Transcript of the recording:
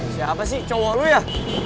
siapa sih cowok lo ya